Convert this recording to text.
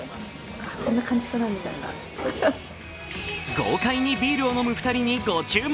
豪快にビールを飲む２人にご注目！